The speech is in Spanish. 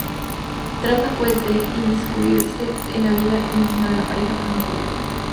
Trata, pues, de inmiscuirse en la vida íntima de la pareja, pero no puede.